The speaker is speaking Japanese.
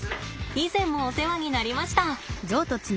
以前もお世話になりました！